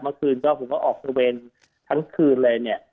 เมื่อคืนก็ผมก็ออกตระเวนทั้งคืนเลยเนี่ย